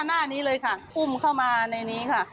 หน้านี้เลยค่ะอุ้มเข้ามาในนี้ค่ะ